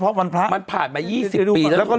เป็นการกระตุ้นการไหลเวียนของเลือด